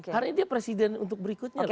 karena dia presiden untuk berikutnya